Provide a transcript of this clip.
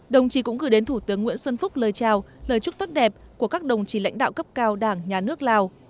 đồng chí cũng gửi đến thủ tướng nguyễn xuân phúc lời chào lời chúc tốt đẹp của các đồng chí lãnh đạo cấp cao đảng nhà nước lào